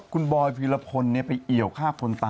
คนเบลอนั่นอะไรเหรอ